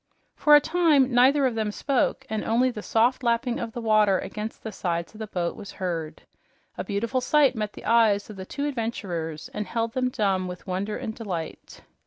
For a time neither of them spoke and only the soft lapping of the water against the sides of the boat was heard. A beautiful sight met the eyes of the two adventurers and held them dumb with wonder and delight.